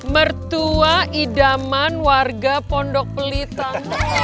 mertua idaman warga pondok pelitang